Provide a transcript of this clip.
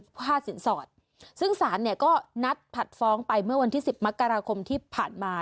ค่าสินสอดซึ่งศาลเนี่ยก็นัดผัดฟ้องไปเมื่อวันที่สิบมกราคมที่ผ่านมา